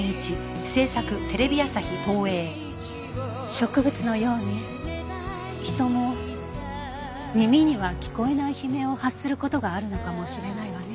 植物のように人も耳には聞こえない悲鳴を発する事があるのかもしれないわね。